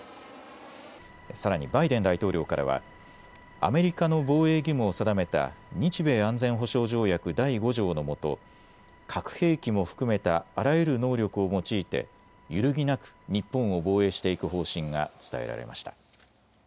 さらにバイデン大統領からはアメリカの防衛義務を定めた日米安全保障条約第５条のもと、核兵器も含めたあらゆる能力を用いて揺るぎなく日本を防衛していく方針が伝えられました。